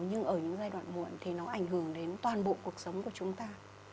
nhưng ở những giai đoạn muộn thì nó ảnh hưởng đến toàn bộ cuộc sống của chúng ta